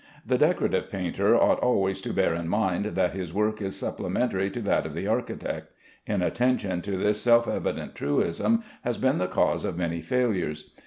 The decorative painter ought always to bear in mind that his work is supplementary to that of the architect. Inattention to this self evident truism has been the cause of many failures.